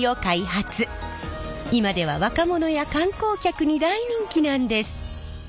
今では若者や観光客に大人気なんです！